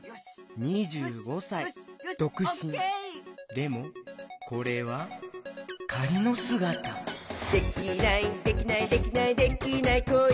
でもこれはかりのすがた「できないできないできないできない子いないか」